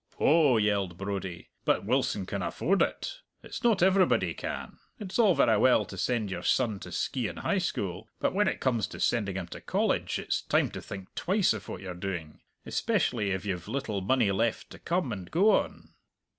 "Oh," yelled Brodie, "but Wilson can afford it! It's not everybody can! It's all verra well to send your son to Skeighan High School, but when it comes to sending him to College, it's time to think twice of what you're doing especially if you've little money left to come and go on."